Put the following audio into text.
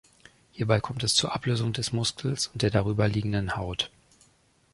Hierbei kommt es zur Ablösung des Muskels und der darüberliegenden Haut.